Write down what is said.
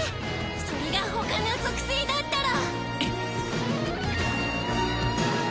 それが他の属性だったら。